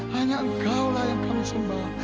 hanya engkau lah yang kami sembah